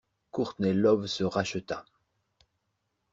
Courtney Love se rachètera.